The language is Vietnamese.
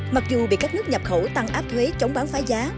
mặc dù bị các nước nhập khẩu tăng áp thuế chống bán phá giá